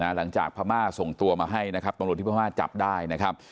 พม่าส่งตัวมาให้นะครับตำรวจที่พม่าจับได้นะครับ